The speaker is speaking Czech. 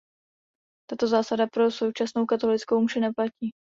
Tato zásada pro současnou katolickou mši neplatí.